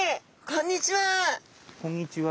こんにちは。